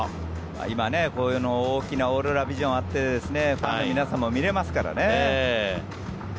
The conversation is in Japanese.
今、こういう大きなオーロラビジョンがあってファンの皆さんも見れますからね。